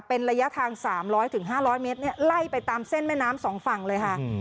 เป็นระยะทาง๓๐๐๕๐๐เมตรไล่ไปตามเส้นแม่น้ำสองฝั่งเลยค่ะ